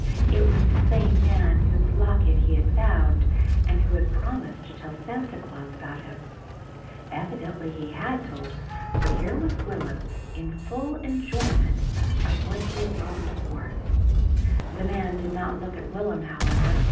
It was the same man whose locket he had found, and who had promised to tell Santa Claus about him. Evidently he had told, for here was Will'm in full enjoyment of what he had longed for. The man did not look at Will'm, however.